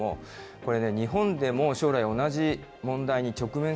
これね、日本でも将来、同じ問題